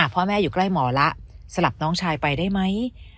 พ่อแม่อยู่ใกล้หมอละสลับน้องชายไปได้ไหม